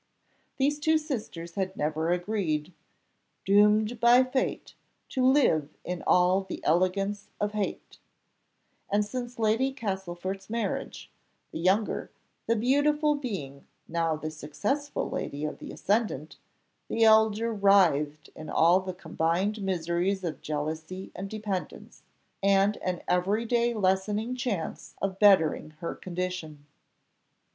These two sisters had never agreed "Doom'd by Fate To live in all the elegance of hate;" and since Lady Castlefort's marriage, the younger, the beautiful being now the successful lady of the ascendant, the elder writhed in all the combined miseries of jealousy and dependance, and an everyday lessening chance of bettering her condition.